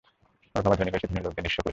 ওর বাবা ধনী হয়েছে ধনী লোকেদের নিঃস্ব করে।